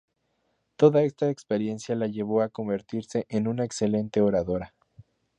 Toda esta experiencia la llevó a convertirse en una excelente oradora.